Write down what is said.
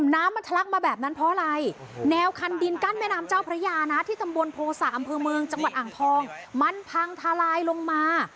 น้ำมันทะลักมาแบบนั้นเพราะอะไรแนวคันดินกั้นแม่น้ำเจ้าพระยานะที่ตำบลโภษะอำเภอเมืองจังหวัดอ่างทองมันพังทลายลงมา